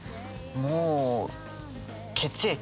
もう血液。